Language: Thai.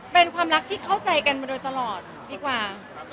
เป็นความรักที่เข้าใจกันมาโดยตลอดดีกว่า